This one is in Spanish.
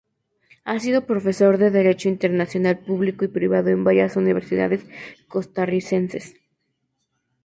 Ha sido profesor de Derecho Internacional Público y Privado en varias universidades costarricenses.